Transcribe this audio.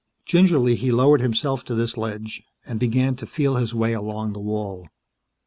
Gingerly he lowered himself to this ledge and began to feel his way along the wall.